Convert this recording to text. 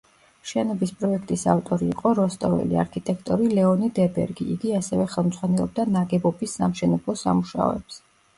შენობის პროექტის ავტორი იყო როსტოველი არქიტექტორი ლეონიდ ებერგი, იგი ასევე ხელმძღვანელობდა ნაგებობის სამშენებლო სამუშაოებს.